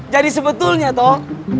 jadi sebetulnya toh